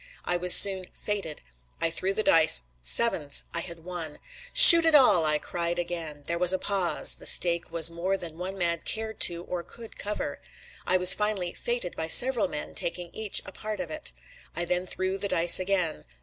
I was soon "fated." I threw the dice sevens I had won. "Shoot it all!" I cried again. There was a pause; the stake was more than one man cared to or could cover. I was finally "fated" by several men taking each a part of it. I then threw the dice again.